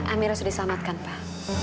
amirah sudah diselamatkan pak